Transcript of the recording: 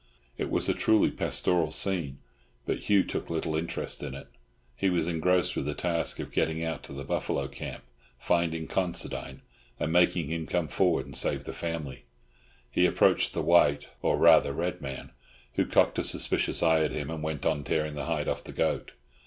It was a truly pastoral scene, but Hugh took little interest in it. He was engrossed with the task of getting out to the buffalo camp, finding Considine, and making him come forward and save the family. He approached the white, or rather red man, who cocked a suspicious eye at him, and went on tearing the hide off the goat.